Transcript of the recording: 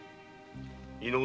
井上